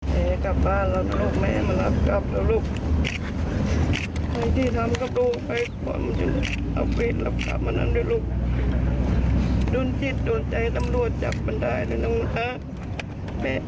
มันล้ำแล้วลูกพออภูติกลับมาให้นะลูกลูกลูกเกินก็พอพอให้กลับไปแล้วลูก